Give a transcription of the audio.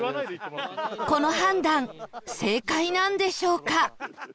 この判断正解なんでしょうか？